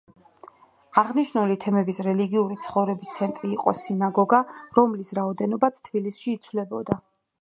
აღნიშნული თემების რელიგიური ცხოვრების ცენტრი იყო სინაგოგა, რომლის რაოდენობაც თბილისში იცვლებოდა.